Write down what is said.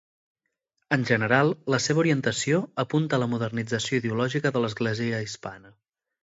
En general, la seva orientació apunta a la modernització ideològica de l'Església hispana.